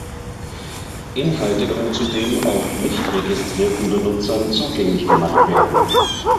Inhalte können zudem auch nicht registrierten Benutzern zugänglich gemacht werden.